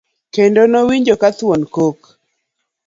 kendo nowinjo ka thuon kok